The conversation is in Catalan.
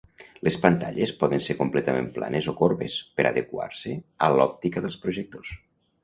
Les pantalles poden ser completament planes o corbes per adequar-se a l'òptica dels projectors.